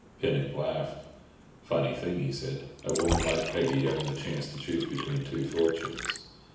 Pinnock laughed. "Funny thing," he said, "a woman like Peggy having the chance to choose between two fortunes.